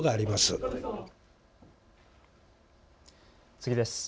次です。